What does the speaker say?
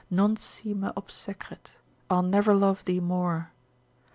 Non si me obsecret, I'll never love thee more.